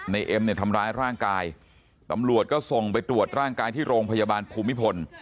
เอ็มเนี่ยทำร้ายร่างกายตำรวจก็ส่งไปตรวจร่างกายที่โรงพยาบาลภูมิพล